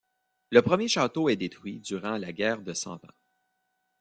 Le premier château est détruit durant la guerre de Cent Ans.